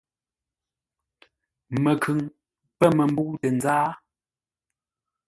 Məkhʉŋ pə̂ məmbə̂u tə nzáa.